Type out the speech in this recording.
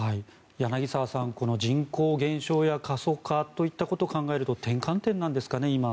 柳澤さん、人口減少や過疎化といったことを考えると転換点なんですかね、今。